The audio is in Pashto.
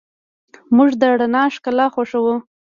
موږ د رڼا ښکلا خوښو.